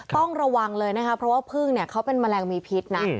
ต้องระวังเลยนะคะเพราะว่าพึ่งเนี่ยเขาเป็นแมลงมีพิษนะ